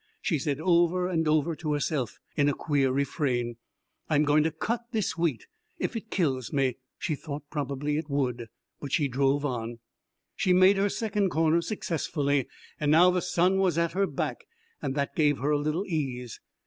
she said over and over to herself in a queer refrain. "I'm going to cut this wheat if it kills me!" She thought probably it would. But she drove on. She made her second corner successfully, and now the sun was at her back, and that gave her a little ease.